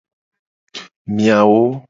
Miawo.